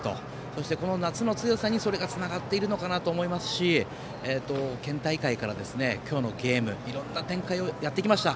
そして、この夏の強さにそれがつながってるのかなと思いますし、県大会から今日のゲームいろんな展開をやってきました。